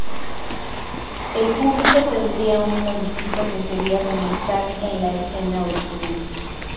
El público tendría una vista que sería como estar en la escena original.